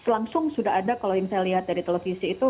langsung sudah ada kalau yang saya lihat dari televisi itu